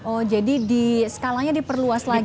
oh jadi skalanya diperluas lagi ya